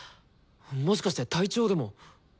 もしかして体調でも。